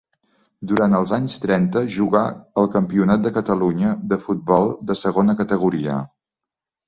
Durant els anys trenta, jugà el Campionat de Catalunya de futbol de segona categoria.